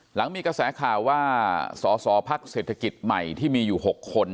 หลังมีกระแสข่าวว่าสอสอพักเศรษฐกิจใหม่ที่มีอยู่๖คน